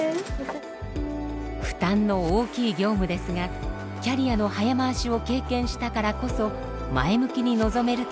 負担の大きい業務ですがキャリアの早回しを経験したからこそ前向きに臨めると言います。